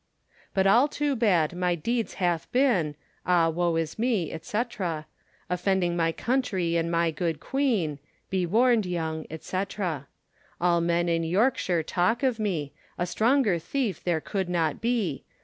But all too bad my deedes hath been, Ah woe is me, &c. Offending my country and my good queene, Be warned yong, &c. All men in Yorke shire talke of me; A stronger theefe there could not be.